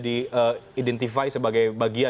diidentify sebagai bagian